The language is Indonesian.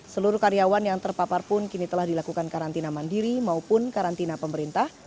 seluruh karyawan yang terpapar pun kini telah dilakukan karantina mandiri maupun karantina pemerintah